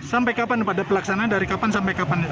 sampai kapan pada pelaksanaan dari kapan sampai kapan